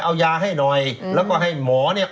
เอายาให้หน่อยแล้วก็ให้หมอเนี่ย